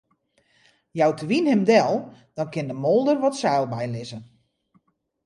Jout de wyn him del, dan kin de moolder wat seil bylizze.